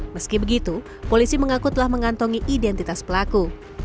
meski begitu polisi mengaku telah mengantongi identitas pelaku